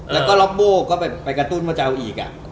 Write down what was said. แล้วก็ล็อบโบ้ก็ไปกระตุ้นว่าจะเอาอีก